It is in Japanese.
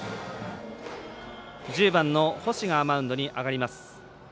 １０番の星がマウンドに挙がります。